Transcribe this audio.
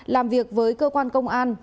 làm việc với cơ quan công an